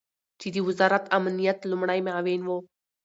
چې د وزارت امنیت لومړی معاون ؤ